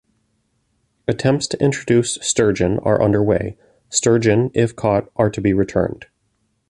Attempts to introduce sturgeon are under way; sturgeon, if caught, are to be returned.